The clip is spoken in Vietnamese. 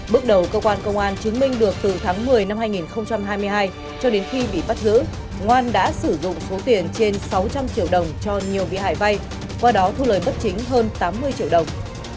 bước đầu cơ quan công an chứng minh được từ tháng một mươi năm hai nghìn hai mươi hai cho đến khi bị bắt giữ ngoan đã sử dụng số tiền trên sáu trăm linh triệu đồng cho nhiều bị hại vay qua đó thu lời bất chính hơn tám mươi triệu đồng